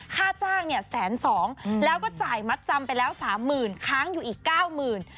ค่าจ้างเนี่ยแสนสองแล้วก็จ่ายมัดจำไปแล้วสามหมื่นค้างอยู่อีกเก้าหมื่น